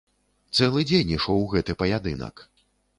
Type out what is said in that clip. Цэлы дзень ішоў гэты паядынак.